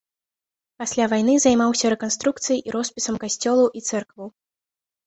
Пасля вайны займаўся рэканструкцыяй і роспісам касцёлаў і цэркваў.